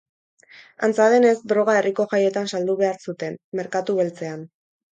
Antza denez, droga herriko jaietan saldu behar zuten, merkatu beltzean.